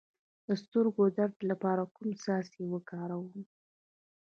د سترګو د درد لپاره کوم څاڅکي وکاروم؟